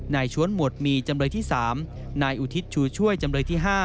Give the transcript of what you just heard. ชวนหมวดมีจำเลยที่๓นายอุทิศชูช่วยจำเลยที่๕